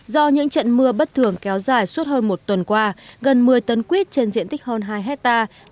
do những trận mưa bất thường kéo dài suốt hơn một tuần qua gần một mươi tấn quyết trên diện tích hơn hai hectare